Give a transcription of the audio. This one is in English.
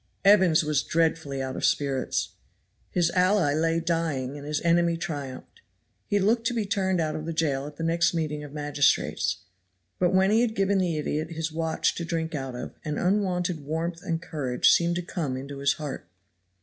Evans was dreadfully out of spirits. His ally lay dying and his enemy triumphed. He looked to be turned out of the jail at the next meeting of magistrates. But when he had given the idiot his watch to drink out of an unwonted warmth and courage seemed to come into his heart.